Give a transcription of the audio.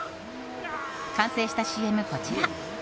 完成したＣＭがこちら！